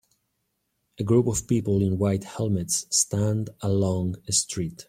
A group of people in white helmets stand along a street.